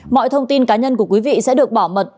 mọi thông tin cá nhân của quý vị sẽ được bảo mật